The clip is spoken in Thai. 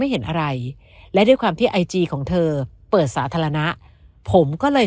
เห็นอะไรและด้วยความที่ไอจีของเธอเปิดสาธารณะผมก็เลย